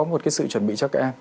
một cái sự chuẩn bị cho các em